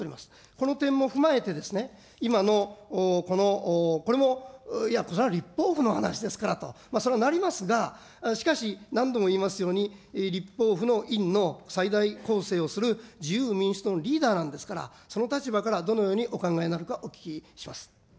この点も踏まえてですね、今のこの、これもいや、それは立法府の話ですからと、それはなりますが、しかし、何度も言いますように、立法府の院の最大構成をする自由民主党のリーダーなんですから、その立場から、どのようにお考えなのか、お聞きします。